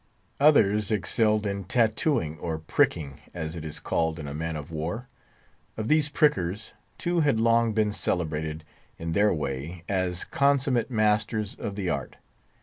Others excelled in tattooing or pricking, as it is called in a man of war. Of these prickers, two had long been celebrated, in their way, as consummate masters of the art.